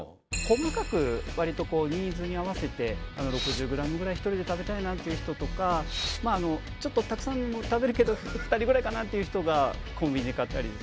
細かく割とこうニーズに合わせて６０ｇぐらい１人で食べたいなっていう人とかまああのちょっとたくさん食べるけど２人ぐらいかなっていう人がコンビニで買ったり